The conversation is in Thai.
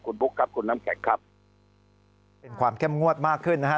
คุณบุ๊คครับคุณน้ำแข็งครับเป็นความเข้มงวดมากขึ้นนะฮะ